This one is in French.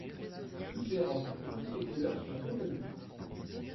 Toutes les robes et toutes les couleurs sont reconnues.